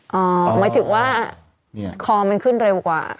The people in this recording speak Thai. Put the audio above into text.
หมายถึงว่าคอมันขึ้นเร็วกว่า